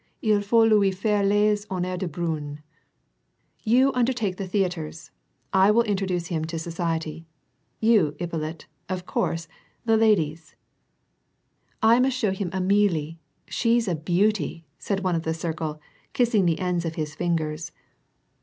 Ufaut luifaire les honneurs de Brunii. You undertake the theatres ; I will introduce him to society ; you, Ippolit, of course, the ladies." " I must show him Amelie, she's a beauty !" said one of the circle, kissing the ends of his fingers.